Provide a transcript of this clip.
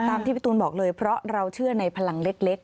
ที่พี่ตูนบอกเลยเพราะเราเชื่อในพลังเล็ก